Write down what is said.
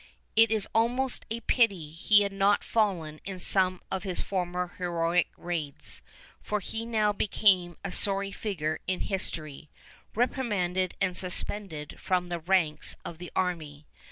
It is almost a pity he had not fallen in some of his former heroic raids, for he now became a sorry figure in history, reprimanded and suspended from the ranks of the army.